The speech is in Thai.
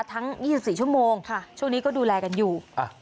ทั้ง๒๔ชั่วโมงช่วงนี้ก็ดูแลกันอยู่